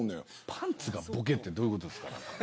パンツがボケってどういうことですか。